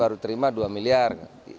baru terima dua miliar